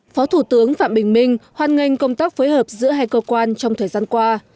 phó thủ tướng phạm bình minh hoan nghênh công tác phối hợp giữa hai cơ quan trong thời gian qua